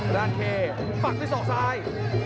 ด้านเคปักด้วยศอกซ้าย